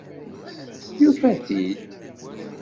Yufa-t-id.